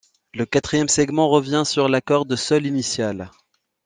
Le quatrième segment revient sur la corde Sol initiale.